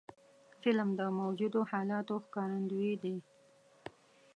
فلم د موجودو حالاتو ښکارندوی دی